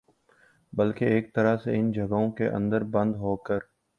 بلکہ ایک طرح سے ان جگہوں کے اندر بند ہوکر